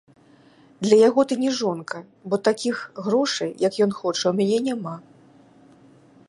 Для яго ты не жонка, бо такіх грошай, як ён хоча, у мяне няма.